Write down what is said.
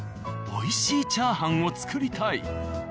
美味しいチャーハンを作りたい！